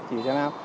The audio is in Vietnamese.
chỉ xe lao